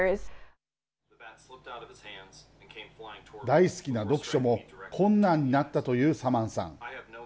大好きな読書も困難になったというサマンさん。